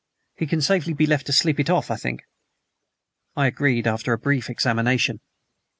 He can safely be left to sleep it off, I think." I agreed, after a brief examination.